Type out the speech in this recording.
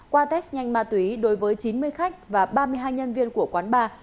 qua test nhanh ma túy đối với chín mươi khách và ba mươi hai nhân viên của quán bar